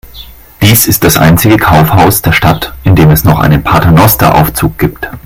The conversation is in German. Dies ist das einzige Kaufhaus der Stadt, in dem es noch einen Paternosteraufzug gibt.